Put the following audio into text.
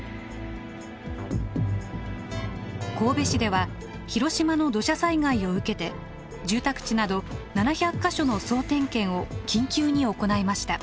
神戸市では広島の土砂災害を受けて住宅地など７００か所の総点検を緊急に行いました。